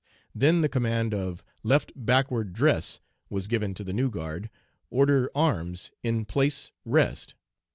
Then the command of "Left backward, dress," was given to the new guard, "Order arms, in place rest."